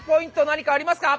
何かありますか？